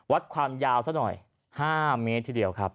วัดความยาวซะหน่อย๕เมตรทีเดียวครับ